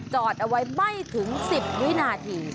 จอดเอาไว้ไม่ถึง๑๐วินาที